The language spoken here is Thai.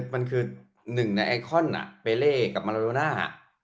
มันคือหนึ่งในไอคอนเปเล่กับมาลาโดน่า